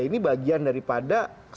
ini bagian daripada